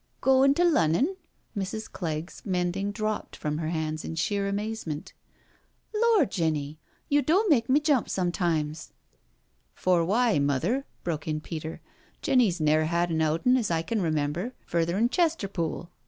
'*•• Coin' to Lunnon?" Mrs. Clegg's mending dropped from her hands in sheer amazement. '* Lor', Jenny^ yo' do make me jump times." ••For why. Mother? broke in Peter. "Jenny's ne'er had an outin*, as I can remember, further'n Ches terpool.